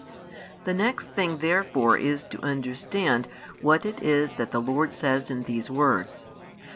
The next thing therefore is to understand what it is that the Lord says in these words.